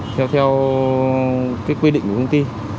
theo quy định của công ty